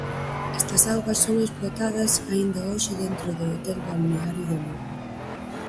Estas augas son explotadas aínda hoxe dentro do Hotel Balneario de Lugo.